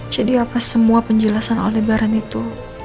jadi apa semua penjelasan aldebaran itu